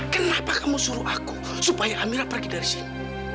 kenapa kamu suruh aku supaya amira pergi dari sini